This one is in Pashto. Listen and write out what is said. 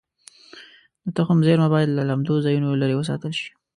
د تخم زېرمه باید له لمدو ځایونو لرې وساتل شي.